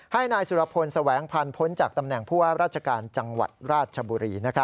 ให้นายสุรพลแสวงพันธ์พ้นจากตำแหน่งผู้ว่าราชการจังหวัดราชบุรี